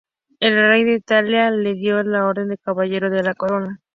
El Rey de Italia le dio la Orden de Caballero de la Corona.